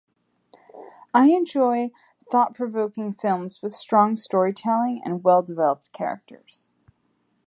I enjoy thought-provoking films with strong storytelling and well-developed characters.